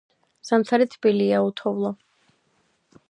ზამთარი თბილია, უთოვლო.